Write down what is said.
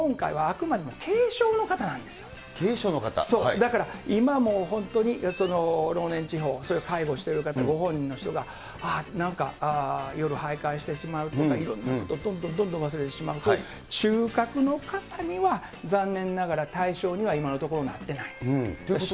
だから、今もう本当に老年痴ほう、介護している方、ご本人の方があー、なんか夜はいかいしてしまうとか、いろんなこと、どんどんどんどん忘れてしまう、そういう中核の方には、残念ながら対象には今のところなっていないです。